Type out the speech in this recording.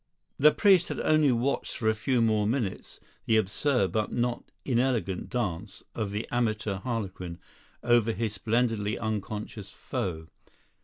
The priest had only watched for a few more minutes the absurd but not inelegant dance of the amateur harlequin over his splendidly unconscious foe.